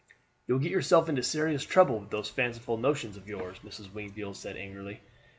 "You will get yourself into serious trouble with these fanciful notions of yours," Mrs. Wingfield said angrily.